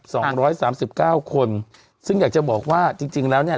สองร้อยสามสิบเก้าคนซึ่งอยากจะบอกว่าจริงจริงแล้วเนี้ย